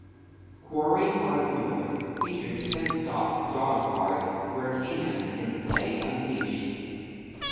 Quarry Park North features a fenced off dog park, where canines can play unleashed.